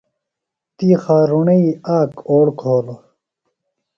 تی خارُݨئی آک اوڑ کھولوۡ۔